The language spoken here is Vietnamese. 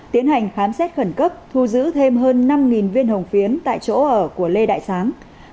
tiến hành khám xét khẩn cấp thu giữ thêm hơn năm viên hồng phiến tại chỗ ở của lê đại sáng